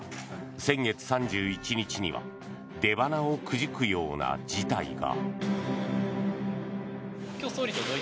先月３１日には出鼻をくじくような事態が。